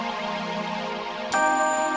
kalian sampai saatnya again